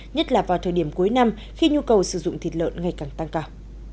nhất là vào thời điểm cuối năm khi nhu cầu sử dụng thịt lợn ngày càng tăng cao